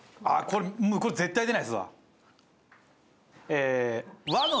あっこれ絶対出ないですわ。